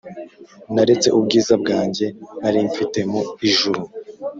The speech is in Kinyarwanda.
Naretse ubwiza bwanjye narimfite mu ijuru